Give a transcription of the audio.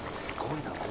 すごいな。